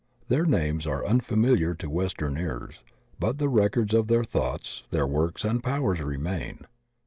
Their names are imfamiliar to western ears, but the records of their thoughts, their work and powers remain.